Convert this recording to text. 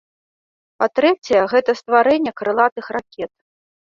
Па-трэцяе, гэта стварэнне крылатых ракет.